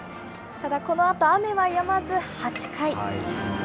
ただ、このあと雨はやまず、８回。